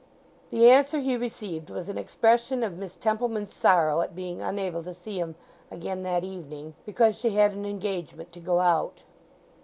The answer he received was an expression of Miss Templeman's sorrow at being unable to see him again that evening because she had an engagement to go out.